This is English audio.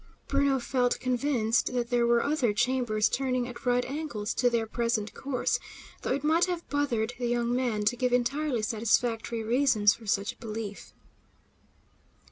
Bruno felt convinced that there were other chambers turning at right angles to their present course, though it might have bothered the young man to give entirely satisfactory reasons for such belief.